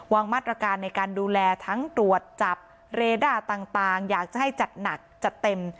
วางมาตรการในการดูแลทั้งตรวจจับเรด้าต่างอยากจะให้จัดหนักจัดเต็ม